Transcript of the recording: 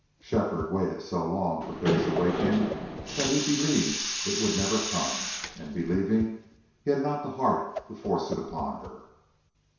Shefford waited so long for Fay's awakening that he believed it would never come, and, believing, had not the heart to force it upon her.